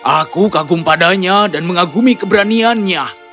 aku kagum padanya dan mengagumi keberaniannya